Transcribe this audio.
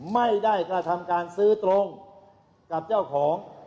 ไม่ได้กระทำการซื้อตรงกับเจ้าของ